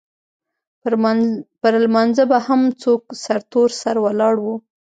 پر لمانځه به هم څوک سرتور سر ولاړ وو.